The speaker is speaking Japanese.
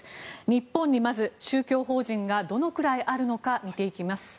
日本にまず、宗教法人がどのくらいあるのか見ていきます。